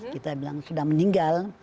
kita bilang sudah meninggal